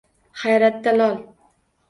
Hayratda lol